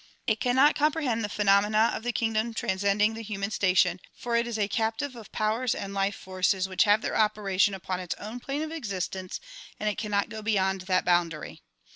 It cannot comprehend the phenom ena of the kingdom transcending the human station, for it is a captive of powers and life forces which have their operation upon its own plane of existence and it cannot go beyond that boundary.